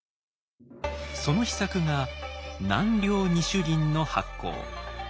その秘策が南鐐二朱銀の発行。